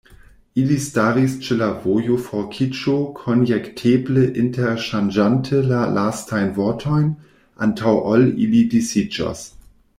Ili staris ĉe la vojoforkiĝo, konjekteble interŝanĝante la lastajn vortojn, antaŭ ol ili disiĝos.